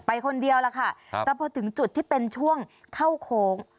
คนเดียวล่ะค่ะแต่พอถึงจุดที่เป็นช่วงเข้าโค้ง